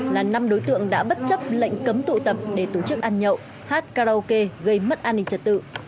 là năm đối tượng đã bất chấp lệnh cấm tụ tập để tổ chức ăn nhậu hát karaoke gây mất an ninh trật tự